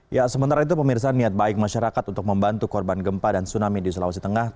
ya sementara itu pemirsa niat baik masyarakat untuk membantu korban gempa dan tsunami di sulawesi tengah